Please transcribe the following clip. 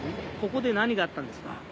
ここで何があったんですか？